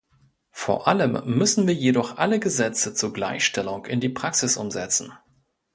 Vor allem müssen wir jedoch alle Gesetze zur Gleichstellung in die Praxis umsetzen.